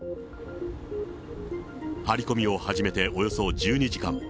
張り込みを始めておよそ１２時間。